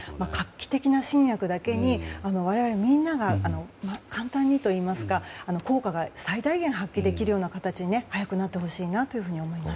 画期的な新薬だけに我々みんなが簡単にといいますか、効果が最大限発揮できるような形に早くなってほしいなと思います。